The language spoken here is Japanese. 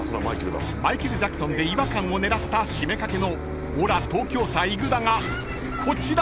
［マイケル・ジャクソンで違和感を狙った七五三掛の『俺ら東京さ行ぐだ』がこちら！］